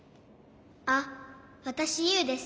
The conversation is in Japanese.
あっわたしユウです。